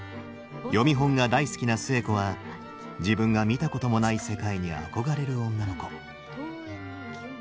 読本が大好きな寿恵子は自分が見たこともない世界に憧れる女の子。